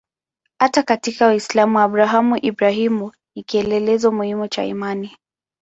Hata katika Uislamu Abrahamu-Ibrahimu ni kielelezo muhimu cha imani.